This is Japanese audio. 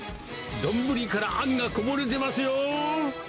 丼からあんがこぼれ出ますよ。